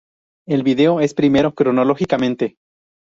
El vídeo es el primero cronológicamente.